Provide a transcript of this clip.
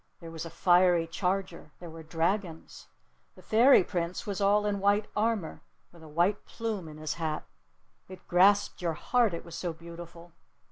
There was a fiery charger. There were dragons. The Fairy Prince was all in white armor, with a white plume in his hat. It grasped your heart, it was so beautiful.